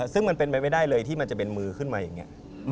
ซึ่งมันเป็นไปไม่ได้เลยที่มันจะเป็นมือขึ้นมาอย่างนี้